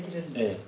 ええ。